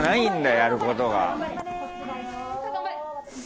やることが。